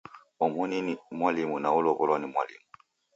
Omoni ni mwalimu na olow'olwa ni mwalimu